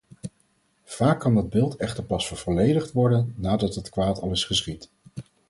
Vaak kan dat beeld echter pas vervolledigd worden nadat het kwaad al is geschied.